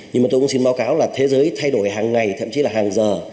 nhưng mà tôi cũng xin báo cáo là thế giới thay đổi hàng ngày thậm chí là hàng giờ